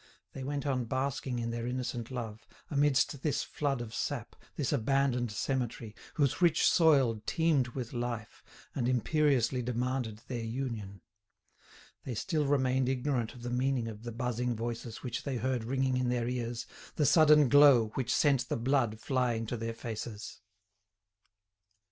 They went on basking in their innocent love, amidst this flood of sap, this abandoned cemetery, whose rich soil teemed with life, and imperiously demanded their union. They still remained ignorant of the meaning of the buzzing voices which they heard ringing in their ears, the sudden glow which sent the blood flying to their faces.